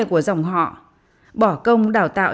của dòng họ bỏ công đào tạo